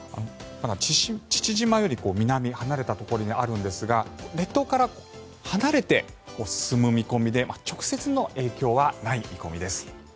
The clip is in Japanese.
父島より南離れたところにあるんですが列島からは離れて進む見込みで直接の影響はない見込みです。